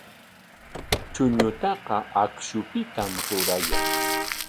Chuñutaqa akshupikmi rurayan.